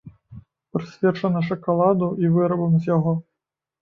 Прысвечаны шакаладу і вырабам з яго.